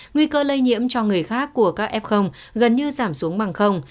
nguy cơ lây nhiễm cho người khác của các f gần như giảm xuống bằng